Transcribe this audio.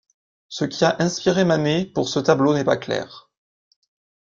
Ce qui a inspiré Manet pour ce tableau n'est pas clair.